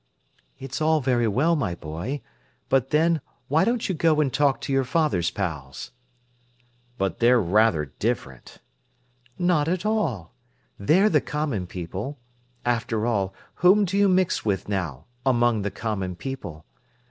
"It's all very well, my boy. But, then, why don't you go and talk to your father's pals?" "But they're rather different." "Not at all. They're the common people. After all, whom do you mix with now—among the common people?